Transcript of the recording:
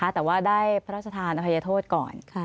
แต่ว่าได้พระราชทานอภัยโทษก่อน